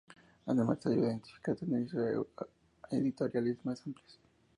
Además, ayuda a identificar tendencias editoriales más amplias.